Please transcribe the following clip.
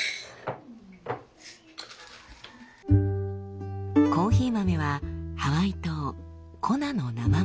コーヒー豆はハワイ島コナの生豆。